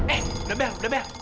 eh udah bel udah bel